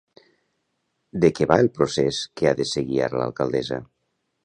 De què va el procés que ha de seguir ara l'alcaldessa?